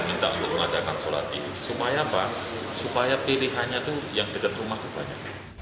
minta untuk mengadakan sholat ini supaya pak supaya pilihannya tuh yang dekat rumah banyak